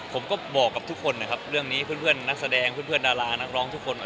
ผมก็บอกกับทุกคนนะครับเรื่องนี้เพื่อนนักแสดงเพื่อนดารานักร้องทุกคน